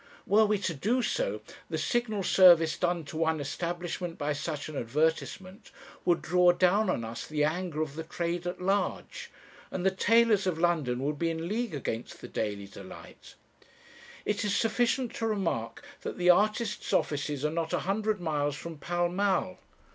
Were we to do so, the signal service done to one establishment by such an advertisement would draw down on us the anger of the trade at large, and the tailors of London would be in league against the Daily Delight. It is sufficient to remark that the artist's offices are not a hundred miles from Pall Mall.